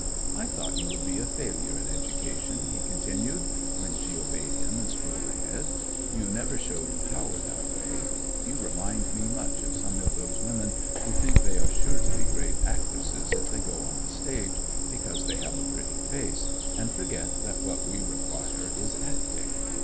I thought you would be a failure in education,' he continued, when she obeyed him and strolled ahead. 'You never showed power that way. You remind me much of some of those women who think they are sure to be great actresses if they go on the stage, because they have a pretty face, and forget that what we require is acting.